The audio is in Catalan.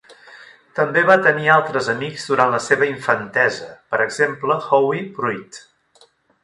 També va tenir altres amics durant la seva infantesa, per exemple Howie Pruitt.